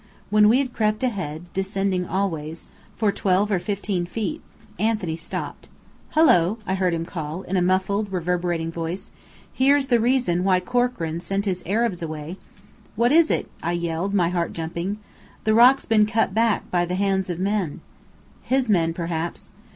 When we had crept ahead (descending always) for twelve or fifteen feet, Anthony stopped. "Hullo!" I heard him call, in a muffled, reverberating voice. "Here's the reason why Corkran sent his Arabs away!" "What is it?" I yelled, my heart jumping. "The rock's been cut back, by the hands of men." "His men, perhaps."